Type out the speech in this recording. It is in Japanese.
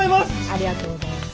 ありがとうございます。